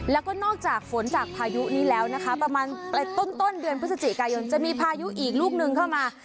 แล้วก็นอกจากฝนจากพายุนี้แล้วนะคะประมาณต้นเดือนพฤศจิกายนจะมีพายุอีกลูกนึงเข้ามา